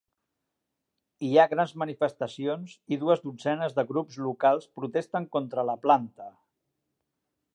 Hi ha grans manifestacions i dues dotzenes de grups locals protesten contra la planta.